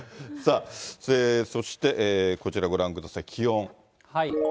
そしてこちらご覧ください、気温。